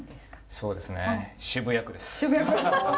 そうですね渋谷区です。